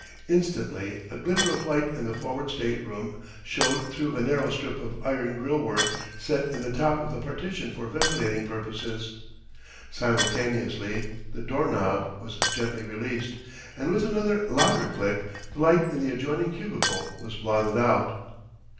Instantly a glimmer of light in the forward stateroom showed through a narrow strip of iron grill work set in the top of the partition for ventilating purposes. Simultaneously the door knob was gently released, and with another louder click the light in the adjoining cubicle was blotted out.